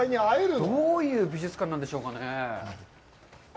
どういう美術館なんでしょうかね。